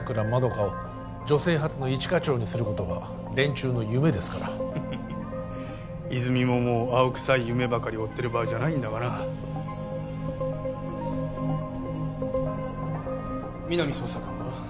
花を女性初の一課長にすることが連中の夢ですから泉ももう青くさい夢ばかり追ってる場合じゃないんだがな皆実捜査官は？